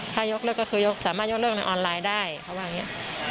ถ้ายกเลิกก็คือยกสามารถยกเลิกในออนไลน์ได้เขาว่าอย่างนี้